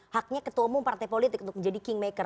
haknya ketua umum partai politik untuk menjadi kingmaker